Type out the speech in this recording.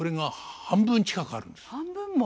半分も。